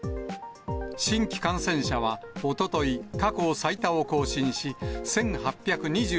新規感染者は、おととい、過去最多を更新し、１８２９人。